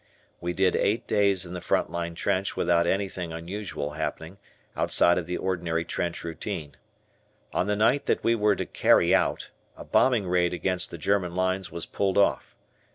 We did eight days in the front line trench without anything unusual happening outside of the ordinary trench routine. On the night that we were to "carry out," a bombing raid against the German lines was pulled off.